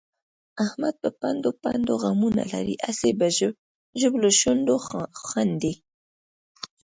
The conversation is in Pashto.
احمد په پنډو پنډو غمونه لري، هسې په ژبلو شونډو خاندي.